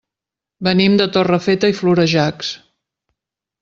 Venim de Torrefeta i Florejacs.